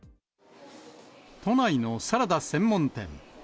都内のサラダ専門店。